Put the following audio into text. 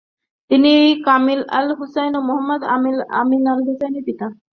তিনি Kamil al Husseini ও Muhammad Amin আল-হুসাইনির পিতা।